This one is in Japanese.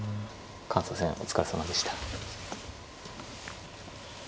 感想戦お疲れさまでした。